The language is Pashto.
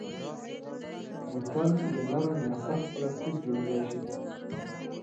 بوتل له نرم یا سخت پلاستیک جوړېدای شي.